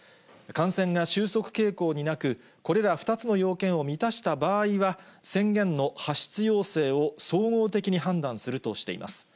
感染が収束傾向になく、これら２つの要件を満たした場合は、宣言の発出要請を総合的に判断するとしています。